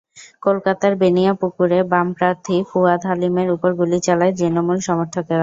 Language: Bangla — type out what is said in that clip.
কলকাতার বেনিয়াপুকুরে বাম প্রার্থী ফুয়াদ হালিমের ওপর গুলি চালায় তৃণমূল সমর্থকেরা।